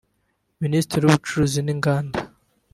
Minisitiri w’ Ubucuruzi n’ Inganda